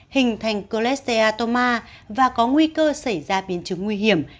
hình thành colesteatoma và có nguy cơ xảy ra biến chứng nguy hiểm